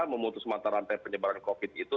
memutus mata rantai penyebaran covid itu